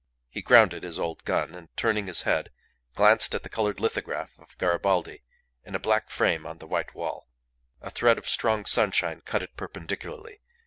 He grounded his old gun, and, turning his head, glanced at the coloured lithograph of Garibaldi in a black frame on the white wall; a thread of strong sunshine cut it perpendicularly.